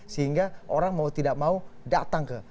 sehingga orang mau tidak mau datang ke